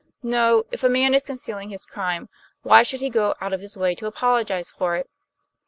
No, if a man is concealing his crime, why should he go out of his way to apologize for it?"